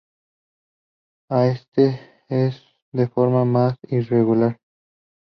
Al este es de forma más irregular.